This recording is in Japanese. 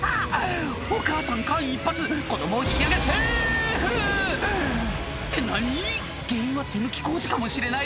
お母さん間一髪子供を引き上げセーフ！って何⁉原因は手抜き工事かもしれない？